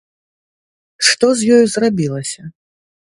Што з ёю зрабілася?